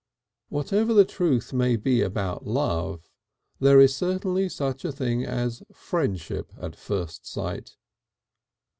Whatever the truth may be about love, there is certainly such a thing as friendship at first sight.